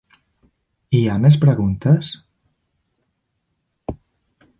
Hi ha més preguntes?